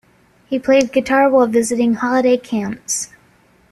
He played guitar while visiting holiday camps.